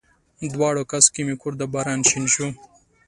دواړو کسو کې مې کور د باران شین شو